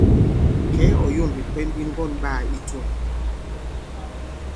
Kɛ̌, ɔ̀ yȏŋ bìkwɛm bi ŋgɔ̑n ɓaā i tȗŋ.